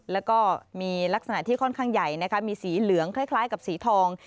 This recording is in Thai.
แล้วก็มีลักษณะที่ค่อนข้างใหญ่นะคะมีสีเหลืองคล้ายกับสีทอง